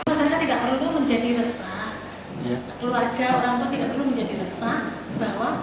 rasanya tidak perlu menjadi resah keluarga orang tua tidak perlu menjadi resah bahwa